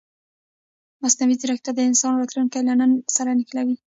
مصنوعي ځیرکتیا د انسان راتلونکی له نن سره نښلوي.